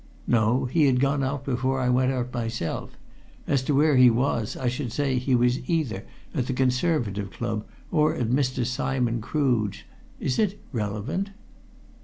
"No, he had gone out before I went out myself. As to where he was, I should say he was either at the Conservative Club or at Mr. Simon Crood's. Is it relevant?"